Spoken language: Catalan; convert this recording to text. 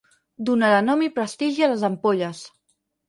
Donarà nom i prestigi a les ampolles.